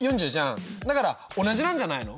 だから同じなんじゃないの？